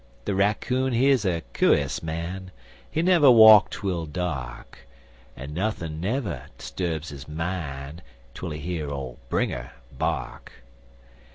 De raccoon he's a cu'us man, He never walk twel dark, En nuthin' never 'sturbs his mine, Twel he hear ole Bringer bark.